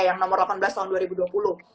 yang nomor delapan belas tahun dua ribu dua puluh